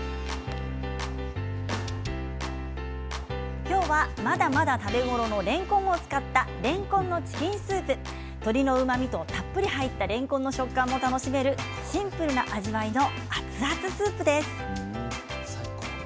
今日はまだまだ食べ頃のれんこんを使ったれんこんのチキンスープ鶏のうまみとたっぷり入ったれんこんの食感を楽しめるシンプルな味わいの熱々のスープです。